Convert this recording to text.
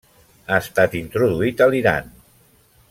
Ha estat introduït a l'Iran.